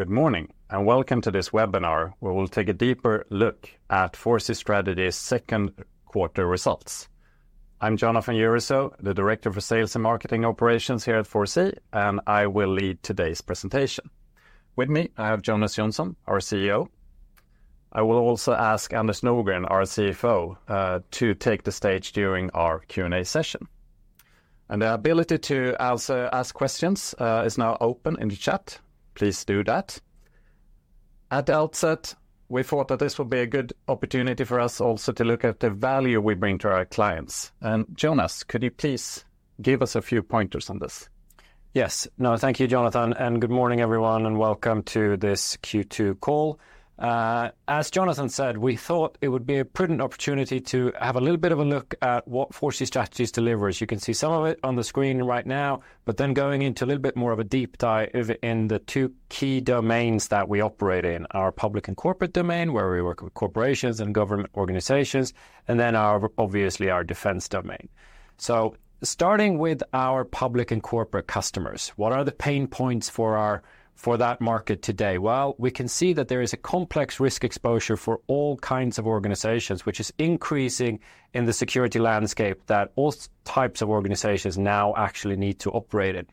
Good morning and welcome to this webinar where we'll take a deeper look at 4C Strategies' second quarter results. I'm Jonatan Jürisoo, the Director for Sales and Marketing Operations here at 4C, and I will lead today's presentation. With me, I have Jonas Jonsson, our CEO. I will also ask Anders Nordgren, our CFO, to take the stage during our Q&A session. The ability to also ask questions is now open in the chat. Please do that. At the outset, we thought that this would be a good opportunity for us also to look at the value we bring to our clients. Jonas, could you please give us a few pointers on this? Yes. No, thank you, Jonatan, and good morning, everyone, and welcome to this Q2 call. As Jonatan said, we thought it would be a prudent opportunity to have a little bit of a look at what 4C Strategies delivers. You can see some of it on the screen right now, but then going into a little bit more of a deep dive in the two key domains that we operate in: our public and corporate domain, where we work with corporations and government organizations, and then obviously our defense domain. So starting with our public and corporate customers, what are the pain points for that market today? Well, we can see that there is a complex risk exposure for all kinds of organizations, which is increasing in the security landscape that all types of organizations now actually need to operate in.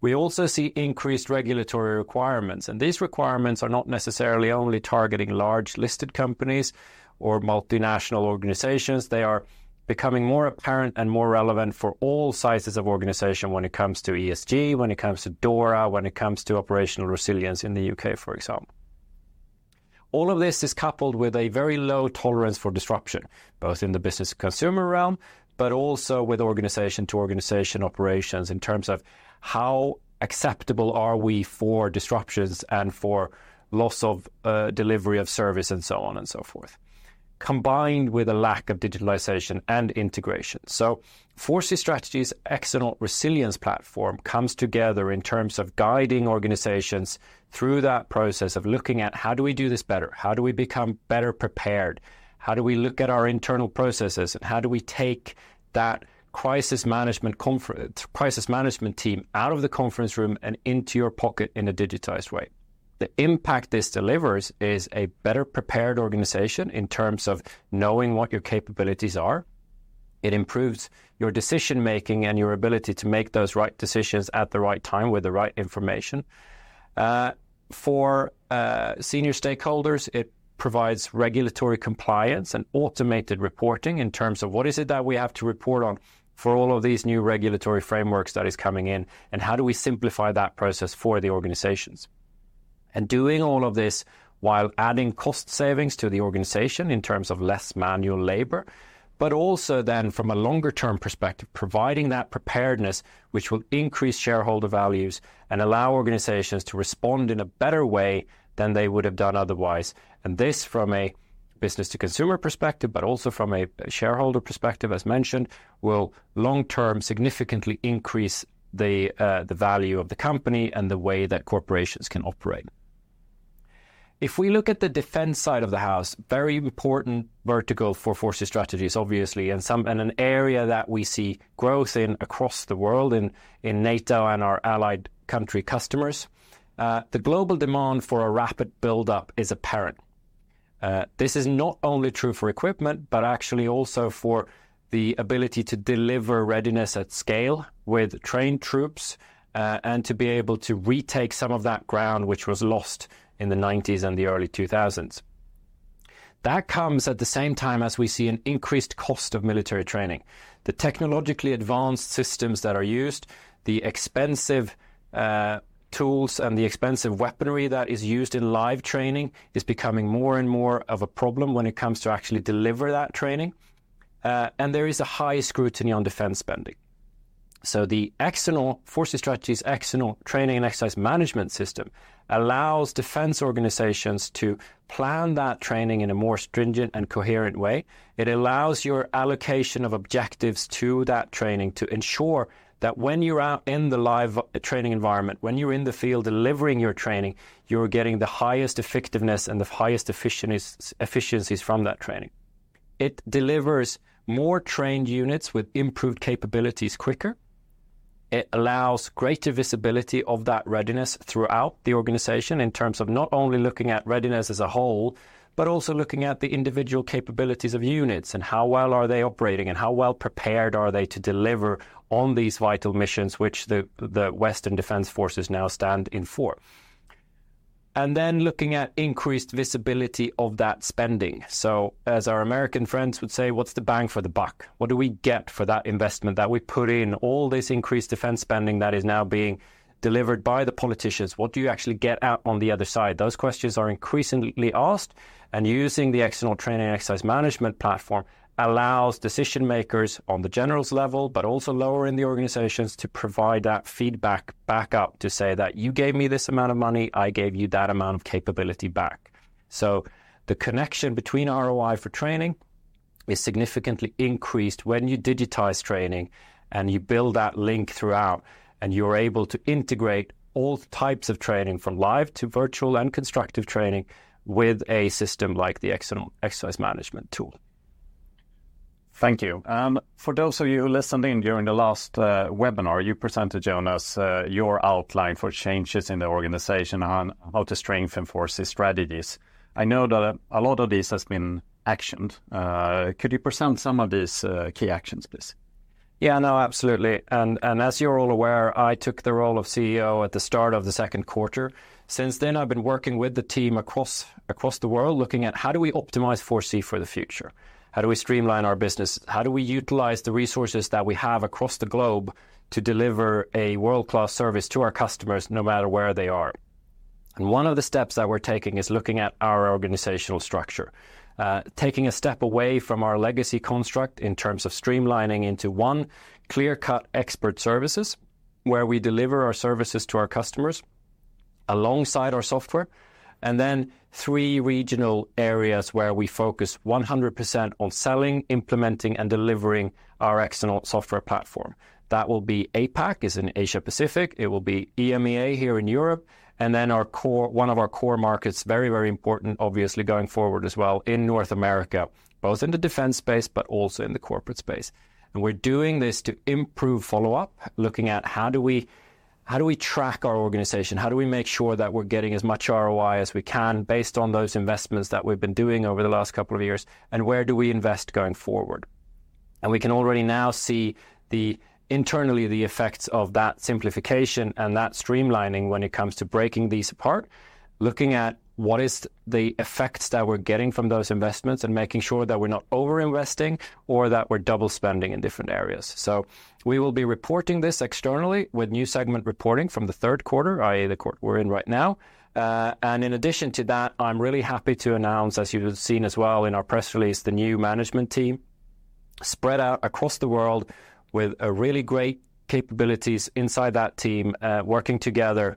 We also see increased regulatory requirements, and these requirements are not necessarily only targeting large listed companies or multinational organizations. They are becoming more apparent and more relevant for all sizes of organization when it comes to ESG, when it comes to DORA, when it comes to operational resilience in the U.K., for example. All of this is coupled with a very low tolerance for disruption, both in the business consumer realm, but also with organization-to-organization operations in terms of how acceptable are we for disruptions and for loss of delivery of service and so on and so forth, combined with a lack of digitalization and integration. 4C Strategies' Exonaut resilience platform comes together in terms of guiding organizations through that process of looking at how do we do this better? How do we become better prepared? How do we look at our internal processes? And how do we take that crisis management team out of the conference room and into your pocket in a digitized way?. The impact this delivers is a better prepared organization in terms of knowing what your capabilities are. It improves your decision-making and your ability to make those right decisions at the right time with the right information. For senior stakeholders, it provides regulatory compliance and automated reporting in terms of what is it that we have to report on for all of these new regulatory frameworks that are coming in, and how do we simplify that process for the organizations. Doing all of this while adding cost savings to the organization in terms of less manual labor, but also then from a longer-term perspective, providing that preparedness, which will increase shareholder values and allow organizations to respond in a better way than they would have done otherwise. And this from a business-to-consumer perspective, but also from a shareholder perspective, as mentioned, will long-term significantly increase the value of the company and the way that corporations can operate. If we look at the defense side of the house, very important vertical for 4C Strategies is obviously an area that we see growth in across the world, in NATO and our allied country customers. The global demand for a rapid buildup is apparent. This is not only true for equipment, but actually also for the ability to deliver readiness at scale with trained troops and to be able to retake some of that ground which was lost in the 1990s and the early 2000s. That comes at the same time as we see an increased cost of military training. The technologically advanced systems that are used, the expensive tools, and the expensive weaponry that is used in live training is becoming more and more of a problem when it comes to actually delivering that training. And there is a high scrutiny on defense spending. The Exonaut 4C Strategies' Exonaut training and exercise management system allows defense organizations to plan that training in a more stringent and coherent way. It allows your allocation of objectives to that training to ensure that when you're out in the live training environment, when you're in the field delivering your training, you're getting the highest effectiveness and the highest efficiencies from that training. It delivers more trained units with improved capabilities quicker. It allows greater visibility of that readiness throughout the organization in terms of not only looking at readiness as a whole, but also looking at the individual capabilities of units and how well are they operating and how well prepared are they to deliver on these vital missions, which the Western defense forces now stand in for. And then looking at increased visibility of that spending. So as our American friends would say, what's the bang for the buck? What do we get for that investment that we put in all this increased defense spending that is now being delivered by the politicians? What do you actually get out on the other side? Those questions are increasingly asked, and using the Exonaut training exercise management platform allows decision makers on the generals level, but also lower in the organizations to provide that feedback backup to say that you gave me this amount of money, I gave you that amount of capability back. So the connection between ROI for training is significantly increased when you digitize training and you build that link throughout, and you're able to integrate all types of training from live to virtual and constructive training with a system like the Exonaut exercise management tool. Thank you. For those of you who listened in during the last webinar, you presented, Jonas, your outline for changes in the organization on how to strengthen 4C Strategies. I know that a lot of these has been actioned. Could you present some of these key actions, please? Yeah, no, absolutely. As you're all aware, I took the role of CEO at the start of the second quarter. Since then, I've been working with the team across the world looking at how do we optimize 4C for the future? How do we streamline our business? How do we utilize the resources that we have across the globe to deliver a world-class service to our customers no matter where they are? One of the steps that we're taking is looking at our organizational structure, taking a step away from our legacy construct in terms of streamlining into one clear-cut Expert Services where we deliver our services to our customers alongside our software, and then three regional areas where we focus 100% on selling, implementing, and delivering our Exonaut software platform. That will be APAC, as in Asia-Pacific. It will be EMEA here in Europe, and then one of our core markets, very, very important, obviously going forward as well in North America, both in the defense space, but also in the corporate space. We're doing this to improve follow-up, looking at how do we track our organization, how do we make sure that we're getting as much ROI as we can based on those investments that we've been doing over the last couple of years, and where do we invest going forward? We can already now see internally the effects of that simplification and that streamlining when it comes to breaking these apart, looking at what is the effects that we're getting from those investments and making sure that we're not over-investing or that we're double spending in different areas. So we will be reporting this externally with new segment reporting from the third quarter, i.e., the quarter we're in right now. And in addition to that, I'm really happy to announce, as you've seen as well in our press release, the new management team spread out across the world with really great capabilities inside that team, working together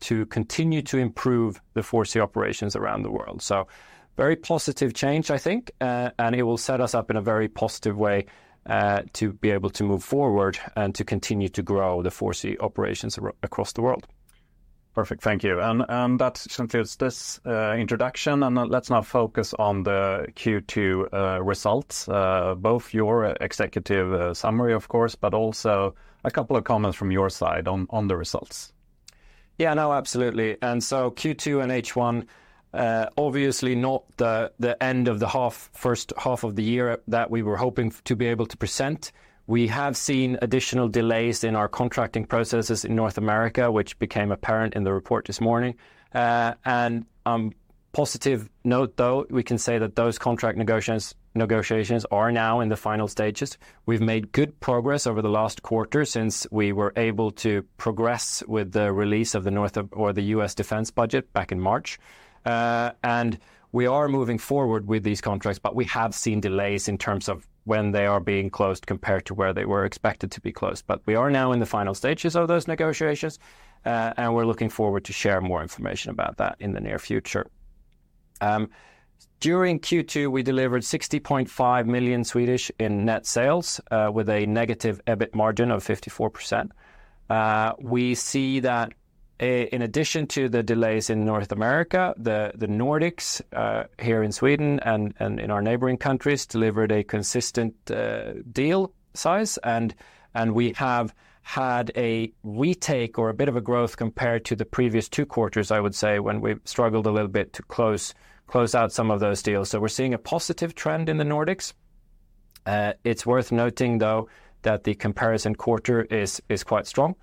to continue to improve the 4C operations around the world. So very positive change, I think, and it will set us up in a very positive way to be able to move forward and to continue to grow the 4C operations across the world. Perfect. Thank you. That concludes this introduction, and let's now focus on the Q2 results, both your executive summary, of course, but also a couple of comments from your side on the results. Yeah, no, absolutely. And so Q2 and H1, obviously not the end of the first half of the year that we were hoping to be able to present. We have seen additional delays in our contracting processes in North America, which became apparent in the report this morning. And on a positive note, though, we can say that those contract negotiations are now in the final stages. We've made good progress over the last quarter since we were able to progress with the release of the North American or the U.S. defense budget back in March. And we are moving forward with these contracts, but we have seen delays in terms of when they are being closed compared to where they were expected to be closed. But we are now in the final stages of those negotiations, and we're looking forward to share more information about that in the near future. During Q2, we delivered 60.5 million in net sales with a negative EBIT margin of 54%. We see that in addition to the delays in North America, the Nordics here in Sweden and in our neighboring countries delivered a consistent deal size, and we have had a retake or a bit of a growth compared to the previous two quarters, I would say, when we struggled a little bit to close out some of those deals. So we're seeing a positive trend in the Nordics. It's worth noting, though, that the comparison quarter is quite strong.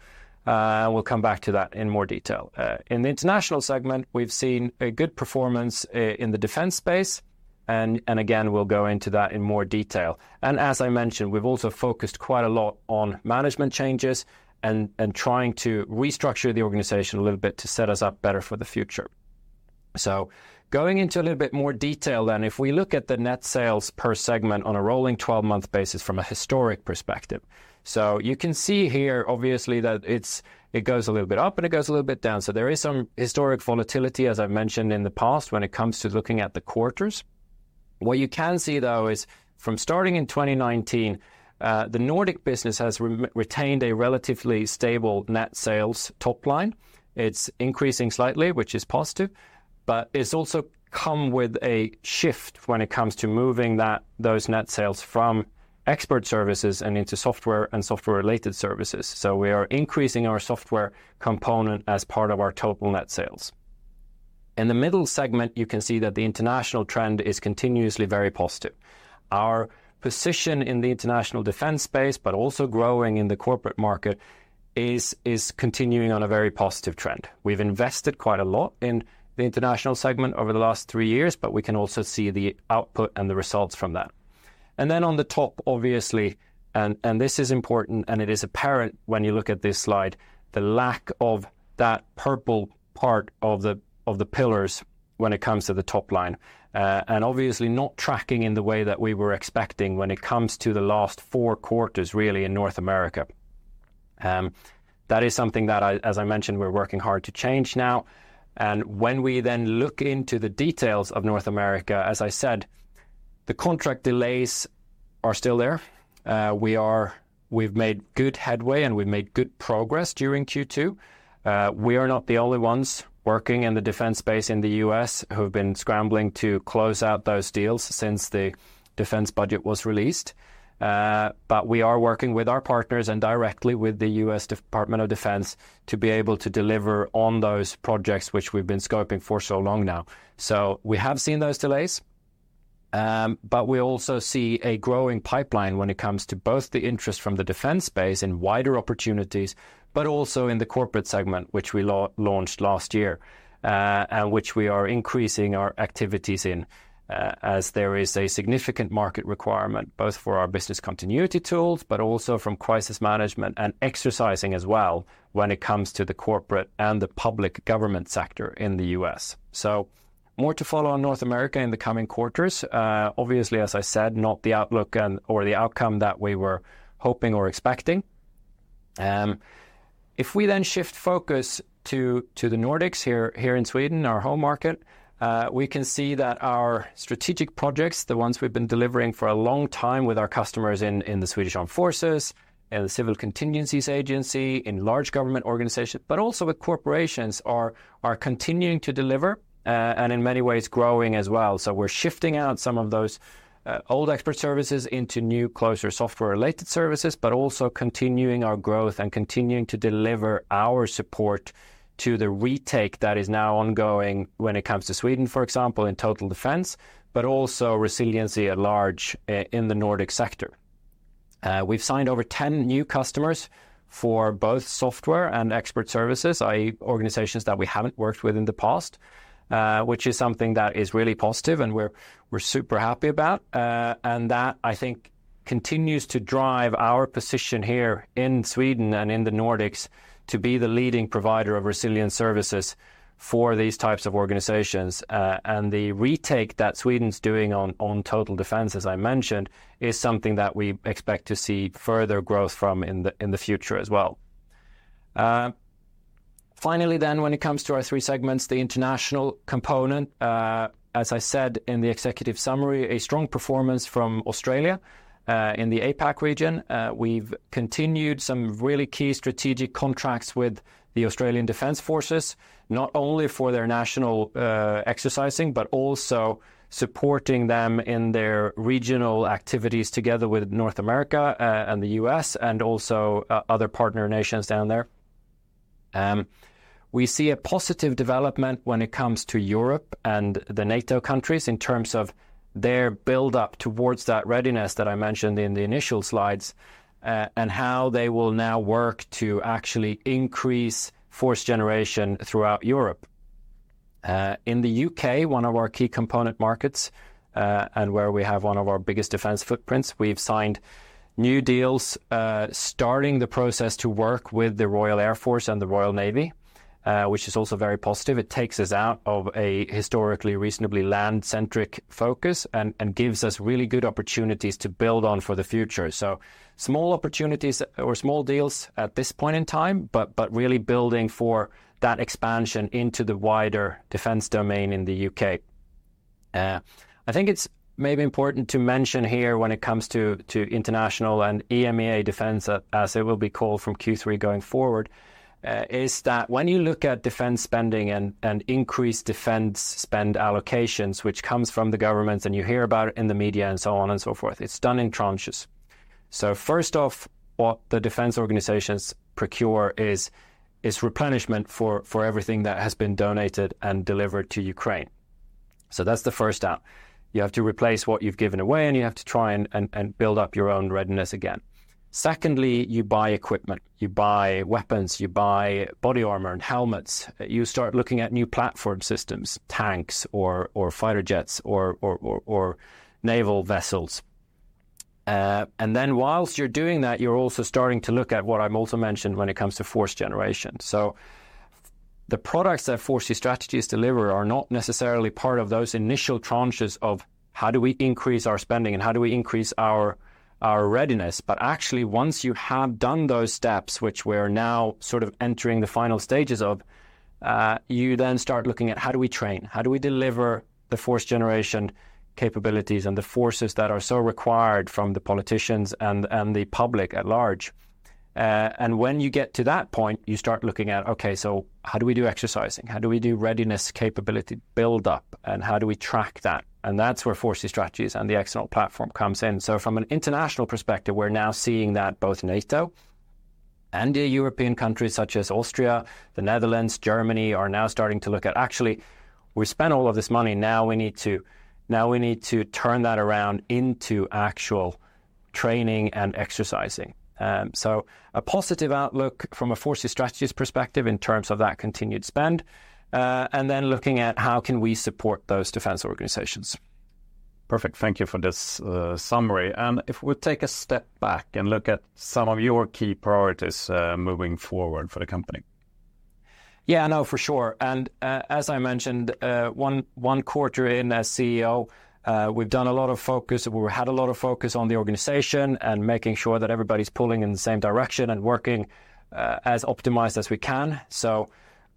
We'll come back to that in more detail. In the international segment, we've seen a good performance in the defense space, and again, we'll go into that in more detail. As I mentioned, we've also focused quite a lot on management changes and trying to restructure the organization a little bit to set us up better for the future. Going into a little bit more detail then, if we look at the net sales per segment on a rolling 12-month basis from a historic perspective. You can see here, obviously, that it goes a little bit up and it goes a little bit down. There is some historic volatility, as I've mentioned in the past, when it comes to looking at the quarters. What you can see, though, is from starting in 2019, the Nordic business has retained a relatively stable net sales top line. It's increasing slightly, which is positive, but it's also come with a shift when it comes to moving those net sales from expert services and into software and software-related services. So we are increasing our software component as part of our total net sales. In the middle segment, you can see that the international trend is continuously very positive. Our position in the international defense space, but also growing in the corporate market, is continuing on a very positive trend. We've invested quite a lot in the international segment over the last three years, but we can also see the output and the results from that. Then on the top, obviously, and this is important, and it is apparent when you look at this slide, the lack of that purple part of the pillars when it comes to the top line, and obviously not tracking in the way that we were expecting when it comes to the last four quarters, really, in North America. That is something that, as I mentioned, we're working hard to change now. When we then look into the details of North America, as I said, the contract delays are still there. We've made good headway and we've made good progress during Q2. We are not the only ones working in the defense space in the U.S. who have been scrambling to close out those deals since the defense budget was released. But we are working with our partners and directly with the U.S. Department of Defense to be able to deliver on those projects which we've been scoping for so long now. So we have seen those delays, but we also see a growing pipeline when it comes to both the interest from the defense space in wider opportunities, but also in the corporate segment, which we launched last year and which we are increasing our activities in as there is a significant market requirement both for our business continuity tools, but also from crisis management and exercising as well when it comes to the corporate and the public government sector in the U.S. So more to follow on North America in the coming quarters. Obviously, as I said, not the outlook or the outcome that we were hoping or expecting. If we then shift focus to the Nordics here in Sweden, our home market, we can see that our strategic projects, the ones we've been delivering for a long time with our customers in the Swedish Armed Forces, in the Civil Contingencies Agency, in large government organizations, but also with corporations, are continuing to deliver and in many ways growing as well. So we're shifting out some of those old expert services into new, closer software-related services, but also continuing our growth and continuing to deliver our support to the retake that is now ongoing when it comes to Sweden, for example, in total defense, but also resiliency at large in the Nordic sector. We've signed over 10 new customers for both software and expert services, i.e., organizations that we haven't worked with in the past, which is something that is really positive and we're super happy about. And that, I think, continues to drive our position here in Sweden and in the Nordics to be the leading provider of resilient services for these types of organizations. And the retake that Sweden's doing on total defense, as I mentioned, is something that we expect to see further growth from in the future as well. Finally, then, when it comes to our three segments, the international component, as I said in the executive summary, a strong performance from Australia in the APAC region. We've continued some really key strategic contracts with the Australian Defence Force, not only for their national exercising, but also supporting them in their regional activities together with North America and the U.S., and also other partner nations down there. We see a positive development when it comes to Europe and the NATO countries in terms of their buildup towards that readiness that I mentioned in the initial slides and how they will now work to actually increase force generation throughout Europe. In the U.K., one of our key component markets and where we have one of our biggest defense footprints, we've signed new deals starting the process to work with the Royal Air Force and the Royal Navy, which is also very positive. It takes us out of a historically reasonably land-centric focus and gives us really good opportunities to build on for the future. So small opportunities or small deals at this point in time, but really building for that expansion into the wider defense domain in the U.K.. I think it's maybe important to mention here when it comes to international and EMEA defense, as it will be called from Q3 going forward, is that when you look at defense spending and increased defense spend allocations, which comes from the governments and you hear about it in the media and so on and so forth, it's done in tranches. So first off, what the defense organizations procure is replenishment for everything that has been donated and delivered to Ukraine. So that's the first out. You have to replace what you've given away and you have to try and build up your own readiness again. Secondly, you buy equipment. You buy weapons, you buy body armor and helmets. You start looking at new platform systems, tanks or fighter jets or naval vessels. And then while you're doing that, you're also starting to look at what I've also mentioned when it comes to force generation. So the products that 4C Strategies deliver are not necessarily part of those initial tranches of how do we increase our spending and how do we increase our readiness. But actually, once you have done those steps, which we're now sort of entering the final stages of, you then start looking at how do we train, how do we deliver the force generation capabilities and the forces that are so required from the politicians and the public at large. And when you get to that point, you start looking at, okay, so how do we do exercising? How do we do readiness capability buildup and how do we track that? And that's where 4C Strategies and the Exonaut platform comes in. From an international perspective, we're now seeing that both NATO and European countries such as Austria, the Netherlands, Germany are now starting to look at, actually, we spent all of this money, now we need to turn that around into actual training and exercising. A positive outlook from a 4C Strategies perspective in terms of that continued spend, and then looking at how can we support those defense organizations. Perfect. Thank you for this summary. If we take a step back and look at some of your key priorities moving forward for the company. Yeah, no, for sure. And as I mentioned, one quarter in as CEO, we've done a lot of focus, we had a lot of focus on the organization and making sure that everybody's pulling in the same direction and working as optimized as we can. So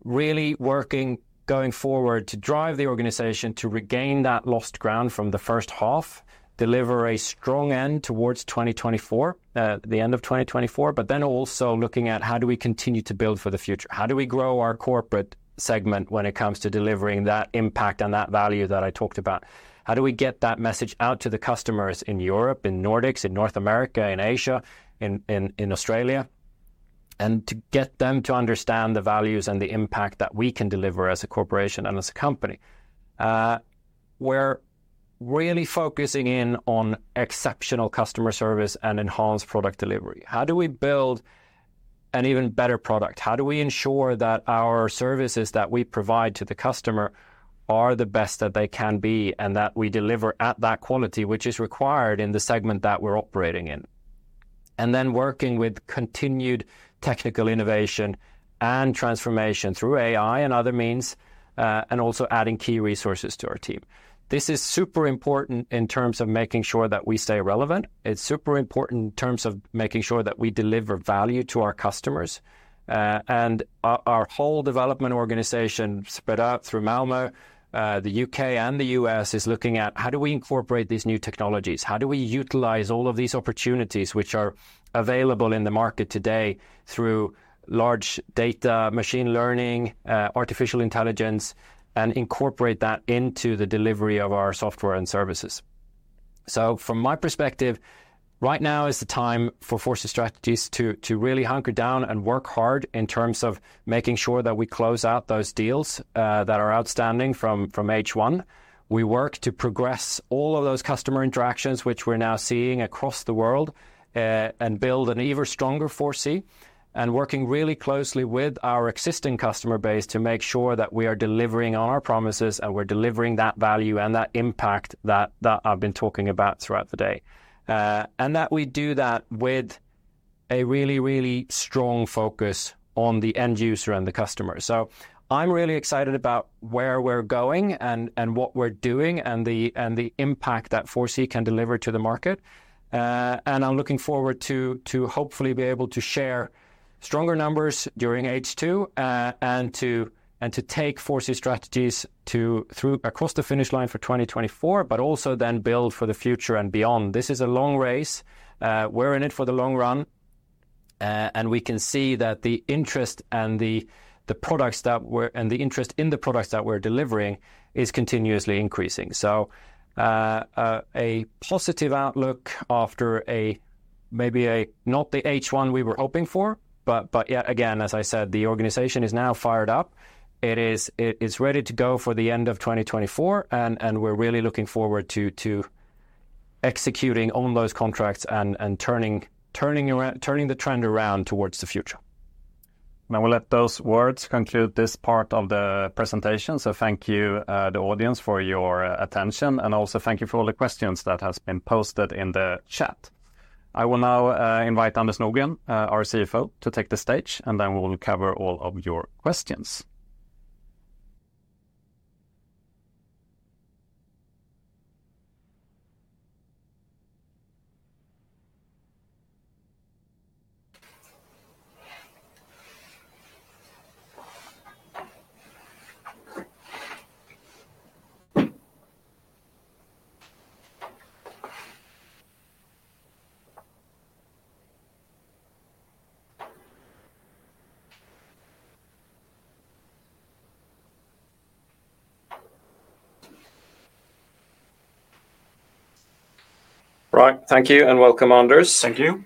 really working going forward to drive the organization to regain that lost ground from the first half, deliver a strong end towards 2024, the end of 2024, but then also looking at how do we continue to build for the future. How do we grow our corporate segment when it comes to delivering that impact and that value that I talked about? How do we get that message out to the customers in Europe, in Nordics, in North America, in Asia, in Australia? To get them to understand the values and the impact that we can deliver as a corporation and as a company. We're really focusing in on exceptional customer service and enhanced product delivery. How do we build an even better product? How do we ensure that our services that we provide to the customer are the best that they can be and that we deliver at that quality, which is required in the segment that we're operating in? And then working with continued technical innovation and transformation through AI and other means and also adding key resources to our team. This is super important in terms of making sure that we stay relevant. It's super important in terms of making sure that we deliver value to our customers. Our whole development organization spread out through Malmö, the U.K. and the U.S. is looking at how do we incorporate these new technologies? How do we utilize all of these opportunities which are available in the market today through large data, machine learning, artificial intelligence, and incorporate that into the delivery of our software and services? So from my perspective, right now is the time for 4C Strategies to really hunker down and work hard in terms of making sure that we close out those deals that are outstanding from H1. We work to progress all of those customer interactions, which we're now seeing across the world, and build an even stronger 4C and working really closely with our existing customer base to make sure that we are delivering on our promises and we're delivering that value and that impact that I've been talking about throughout the day. And that we do that with a really, really strong focus on the end user and the customer. So I'm really excited about where we're going and what we're doing and the impact that 4C can deliver to the market. And I'm looking forward to hopefully be able to share stronger numbers during H2 and to take 4C Strategies across the finish line for 2024, but also then build for the future and beyond. This is a long race. We're in it for the long run. And we can see that the interest and the products that we're and the interest in the products that we're delivering is continuously increasing. So a positive outlook after a maybe not the H1 we were hoping for, but yet again, as I said, the organization is now fired up. It's ready to go for the end of 2024. We're really looking forward to executing on those contracts and turning the trend around towards the future. We'll let those words conclude this part of the presentation. Thank you, the audience, for your attention. Also thank you for all the questions that have been posted in the chat. I will now invite Anders Nordgren, our CFO, to take the stage, and then we'll cover all of your questions. Right. Thank you and welcome, Anders. Thank you.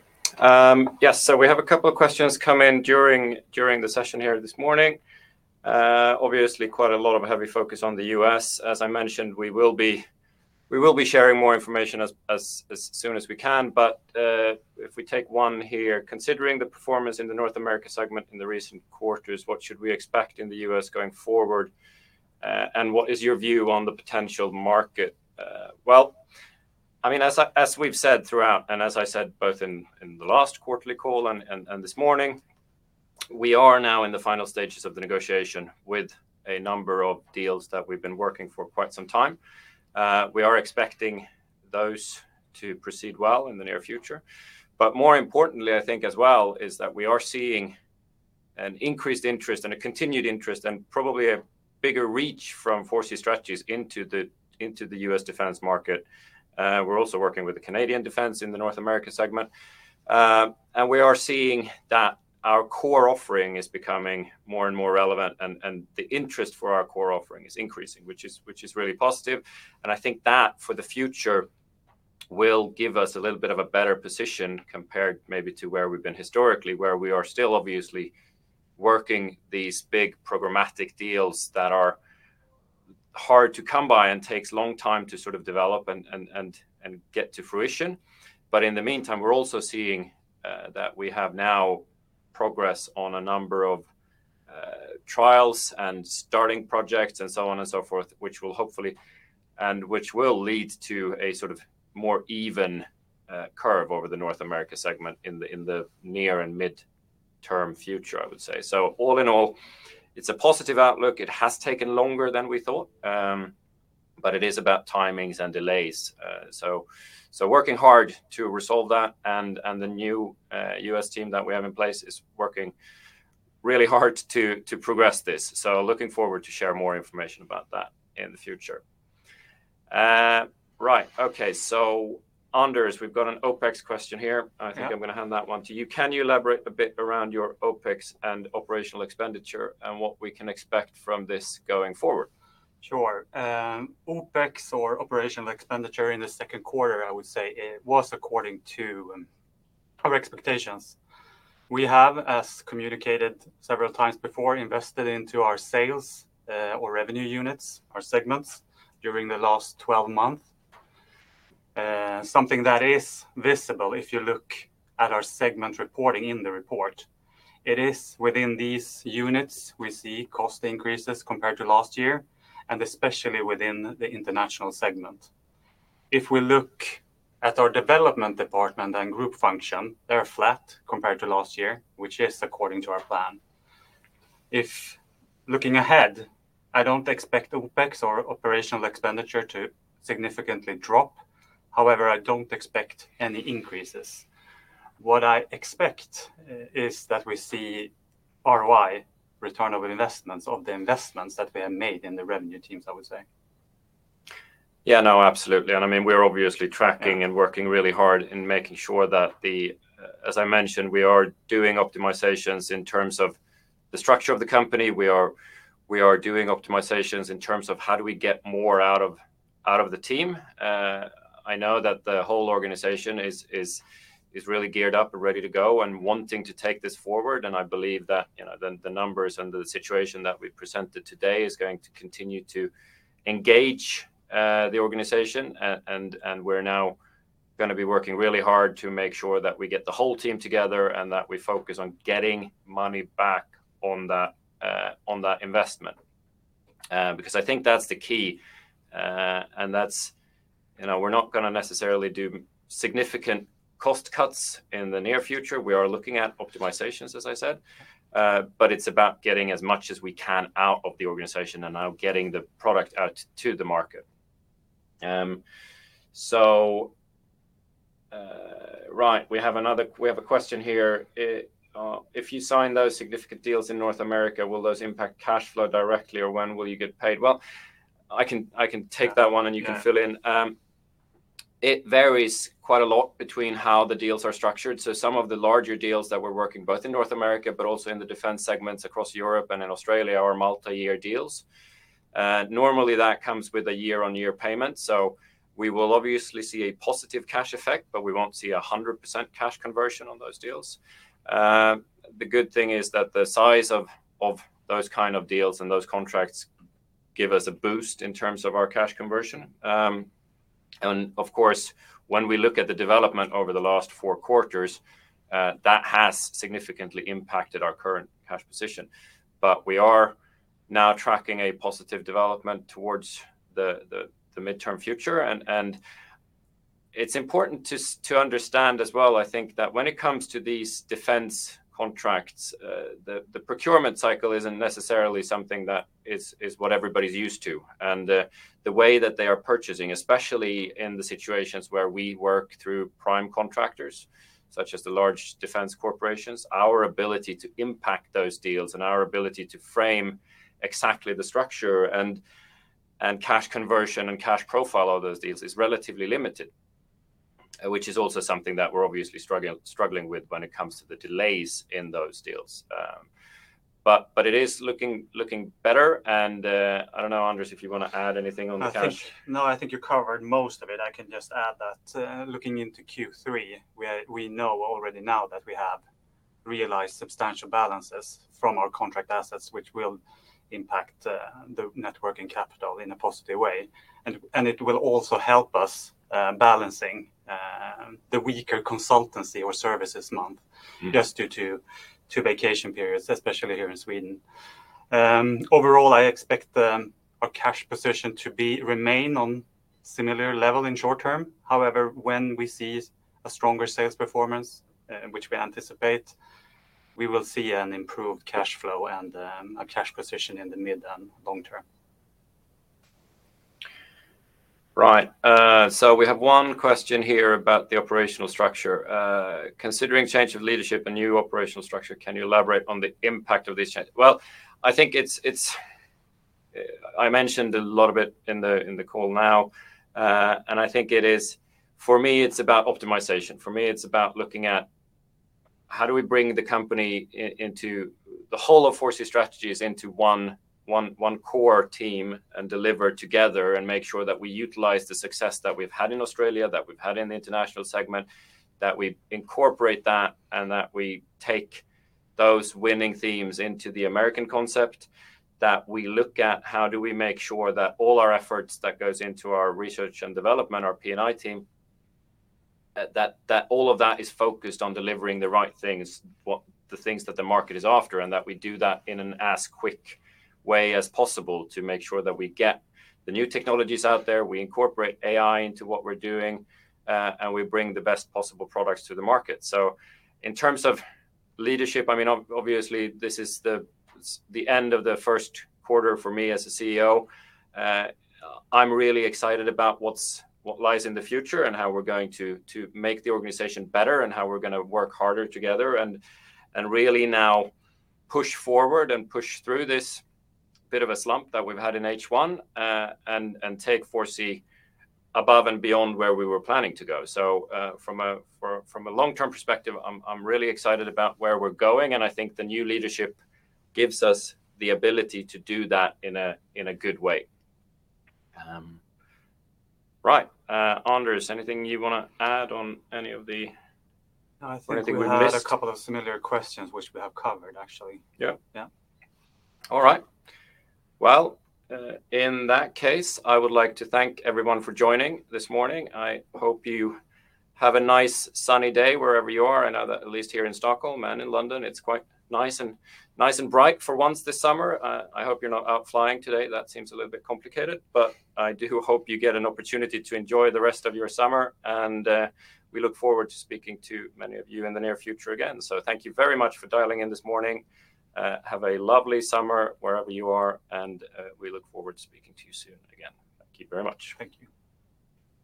Yes. So we have a couple of questions come in during the session here this morning. Obviously, quite a lot of heavy focus on the U.S. As I mentioned, we will be sharing more information as soon as we can. But if we take one here, considering the performance in the North America segment in the recent quarters, what should we expect in the U.S. going forward? And what is your view on the potential market? Well, I mean, as we've said throughout, and as I said both in the last quarterly call and this morning, we are now in the final stages of the negotiation with a number of deals that we've been working for quite some time. We are expecting those to proceed well in the near future. But more importantly, I think as well, is that we are seeing an increased interest and a continued interest and probably a bigger reach from 4C Strategies into the U.S. defense market. We're also working with the Canadian defense in the North America segment. And we are seeing that our core offering is becoming more and more relevant and the interest for our core offering is increasing, which is really positive. And I think that for the future will give us a little bit of a better position compared maybe to where we've been historically, where we are still obviously working these big programmatic deals that are hard to come by and takes a long time to sort of develop and get to fruition. But in the meantime, we're also seeing that we have now progress on a number of trials and starting projects and so on and so forth, which will hopefully and which will lead to a sort of more even curve over the North America segment in the near and mid-term future, I would say. So all in all, it's a positive outlook. It has taken longer than we thought, but it is about timings and delays. So working hard to resolve that. And the new U.S. team that we have in place is working really hard to progress this. So looking forward to share more information about that in the future. Right. Okay. So Anders, we've got an OPEX question here. I think I'm going to hand that one to you. Can you elaborate a bit around your OPEX and operational expenditure and what we can expect from this going forward? Sure. OPEX or operational expenditure in the second quarter, I would say, was according to our expectations. We have, as communicated several times before, invested into our sales or revenue units, our segments during the last 12 months. Something that is visible if you look at our segment reporting in the report. It is within these units we see cost increases compared to last year and especially within the international segment. If we look at our development department and group function, they're flat compared to last year, which is according to our plan. Looking ahead, I don't expect OPEX or operational expenditure to significantly drop. However, I don't expect any increases. What I expect is that we see ROI, return on investments of the investments that we have made in the revenue teams, I would say. Yeah, no, absolutely. And I mean, we're obviously tracking and working really hard in making sure that the, as I mentioned, we are doing optimizations in terms of the structure of the company. We are doing optimizations in terms of how do we get more out of the team. I know that the whole organization is really geared up and ready to go and wanting to take this forward. And I believe that the numbers and the situation that we presented today is going to continue to engage the organization. And we're now going to be working really hard to make sure that we get the whole team together and that we focus on getting money back on that investment. Because I think that's the key. And we're not going to necessarily do significant cost cuts in the near future. We are looking at optimizations, as I said, but it's about getting as much as we can out of the organization and now getting the product out to the market. So right, we have another question here. If you sign those significant deals in North America, will those impact cash flow directly or when will you get paid? Well, I can take that one and you can fill in. It varies quite a lot between how the deals are structured. So some of the larger deals that we're working both in North America, but also in the defense segments across Europe and in Australia are multi-year deals. Normally that comes with a year-on-year payment. So we will obviously see a positive cash effect, but we won't see a 100% cash conversion on those deals. The good thing is that the size of those kind of deals and those contracts give us a boost in terms of our cash conversion. And of course, when we look at the development over the last four quarters, that has significantly impacted our current cash position. But we are now tracking a positive development towards the midterm future. And it's important to understand as well, I think, that when it comes to these defense contracts, the procurement cycle isn't necessarily something that is what everybody's used to. The way that they are purchasing, especially in the situations where we work through prime contractors, such as the large defense corporations, our ability to impact those deals and our ability to frame exactly the structure and cash conversion and cash profile of those deals is relatively limited, which is also something that we're obviously struggling with when it comes to the delays in those deals. It is looking better. I don't know, Anders, if you want to add anything on the cash. No, I think you covered most of it. I can just add that looking into Q3, we know already now that we have realized substantial balances from our contract assets, which will impact the net working capital in a positive way. It will also help us balancing the weaker consultancy or services month just due to vacation periods, especially here in Sweden. Overall, I expect our cash position to remain on a similar level in short term. However, when we see a stronger sales performance, which we anticipate, we will see an improved cash flow and a cash position in the mid and long term. Right. So we have one question here about the operational structure. Considering change of leadership and new operational structure, can you elaborate on the impact of these changes? Well, I think it's I mentioned a lot of it in the call now. I think it is for me, it's about optimization. For me, it's about looking at how do we bring the company into the whole of 4C Strategies into one core team and deliver together and make sure that we utilize the success that we've had in Australia, that we've had in the international segment, that we incorporate that and that we take those winning themes into the American concept, that we look at how do we make sure that all our efforts that goes into our research and development, our P&I team, that all of that is focused on delivering the right things, the things that the market is after, and that we do that in an as quick way as possible to make sure that we get the new technologies out there, we incorporate AI into what we're doing, and we bring the best possible products to the market. So in terms of leadership, I mean, obviously, this is the end of the first quarter for me as a CEO. I'm really excited about what lies in the future and how we're going to make the organization better and how we're going to work harder together and really now push forward and push through this bit of a slump that we've had in H1 and take 4C above and beyond where we were planning to go. So from a long-term perspective, I'm really excited about where we're going. And I think the new leadership gives us the ability to do that in a good way. Right. Anders, anything you want to add on any of the. No, I think we've had a couple of similar questions, which we have covered, actually. Yeah. Yeah. All right. Well, in that case, I would like to thank everyone for joining this morning. I hope you have a nice sunny day wherever you are, and at least here in Stockholm and in London. It's quite nice and bright for once this summer. I hope you're not out flying today. That seems a little bit complicated, but I do hope you get an opportunity to enjoy the rest of your summer. And we look forward to speaking to many of you in the near future again. So thank you very much for dialing in this morning. Have a lovely summer wherever you are. And we look forward to speaking to you soon again. Thank you very much. Thank you.